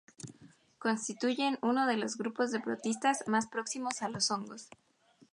Constituyen uno de los grupos de protistas más próximos a los hongos.